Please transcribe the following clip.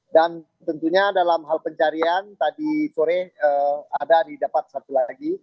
dan tentunya dalam hal pencarian tadi sore ada didapat satu lagi